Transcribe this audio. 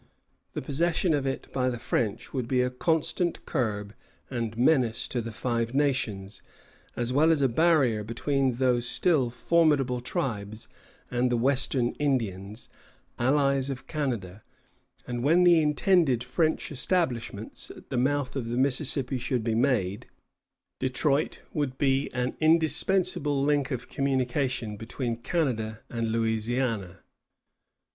The possession of it by the French would be a constant curb and menace to the Five Nations, as well as a barrier between those still formidable tribes and the western Indians, allies of Canada; and when the intended French establishment at the mouth of the Mississippi should be made, Detroit would be an indispensable link of communication between Canada and Louisiana.